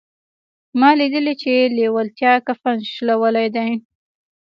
ما ليدلي چې لېوالتیا کفن شلولی دی.